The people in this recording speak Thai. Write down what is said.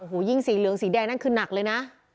โอ้โหยิ่งสีเหลืองสีแดงนั่นคือหนักเลยนะ